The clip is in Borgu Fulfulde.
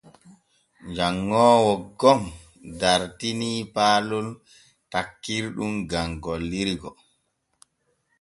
Janŋoowo gom dartini paalon takkirɗum gam gollirgo.